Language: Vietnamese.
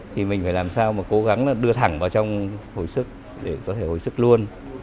thì mình phải làm sao mà cố gắng đưa thẳng vào trong hồi sức để có thể hồi sức luôn